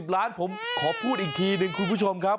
ล้านผมขอพูดอีกทีหนึ่งคุณผู้ชมครับ